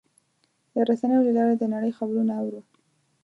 د رسنیو له لارې د نړۍ خبرونه اورو.